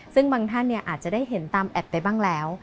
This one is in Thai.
ซึ่งบางท่านอาจจะได้เห็นตามแอปไปบ้างแล้ว